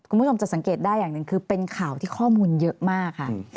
คุณผู้ชมจะสังเกตได้อย่างหนึ่งคือเป็นข่าวที่ข้อมูลเยอะมากค่ะ